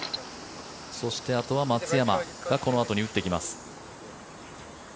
そしてあとは松山がこのあとに打っていきます。